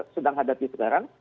sedang hadapi sekarang